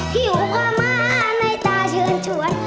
หิวความม่านในตาเชิญชวน